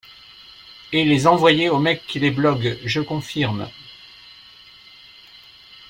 Et les envoyer au mec qui les blogue. Je confirme.